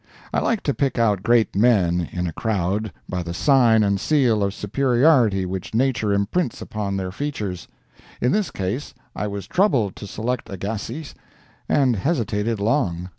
I like to pick out great men in a crowd by the sign and seal of superiority which nature imprints upon their features. In this case I was troubled to select Agassiz, and hesitated long.